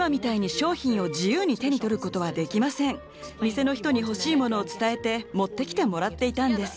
店の人に欲しいものを伝えて持ってきてもらっていたんです。